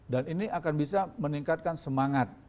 dan ini akan bisa meningkatkan semangat